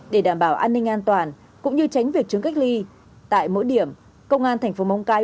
để đảm bảo an ninh an toàn cũng như tránh việc trứng cách ly tại mỗi điểm công an thành phố móng cái